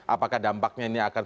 apakah dampaknya ini akan